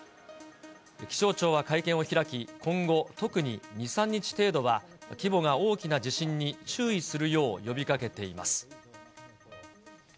気象庁は会見を開き、今後、特に２、３日程度は規模が大きな地震に注意するよう呼びかけています。